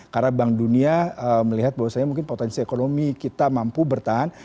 karena bank dunia melihat bahwasannya mungkin potensi ekonomi kita mampu bertahan